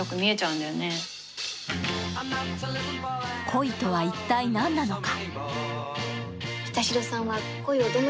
恋とは一体何なのか。